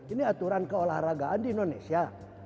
ini aturan keolahragaan di indonesia